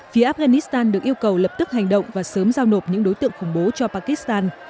phía afghanistan được yêu cầu lập tức hành động và sớm giao nộp những đối tượng khủng bố cho pakistan